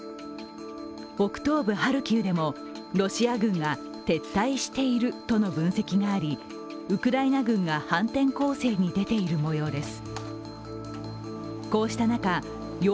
北東部ハルキウでも、ロシア軍が撤退しているとの分析がありウクライナ軍が反転攻勢に出ているもようです。